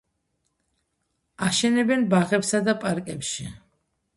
აშენებენ ბაღებსა და პარკებში.